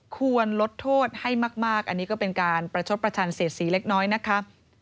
ควรลดโทษให้มากอันนี้ก็เป็นการประชดประชันเสียสีเล็กน้อยนะคะ